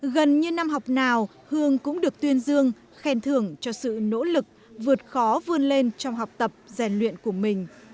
gần như năm học nào hương cũng được tuyên dương khen thưởng cho sự nỗ lực vượt khó vươn lên trong học tập rèn luyện của mình